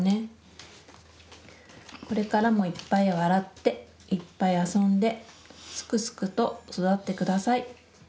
これからもいっぱい笑っていっぱい遊んですくすくと育ってください。